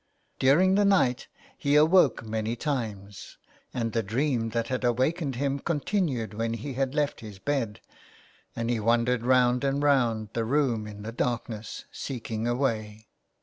During the night he awoke many times, and the dream that had awakened him continued when he had left his bed, and he wandered round and round the room in the darkness, seeking a way.